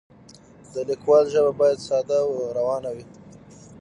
د لیکوال ژبه باید ساده او روانه وي.